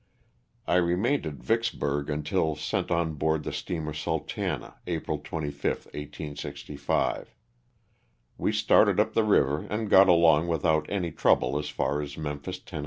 I remained at Vicksburg until sent on board the steamer *' Sultana," April 25, 1865. We started up the river and got along without any trouble as far as Mem phis, Tenn.